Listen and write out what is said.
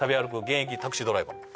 現役タクシードライバー